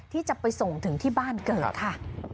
ที่จะไปส่งถึงที่บ้านเกิดค่ะ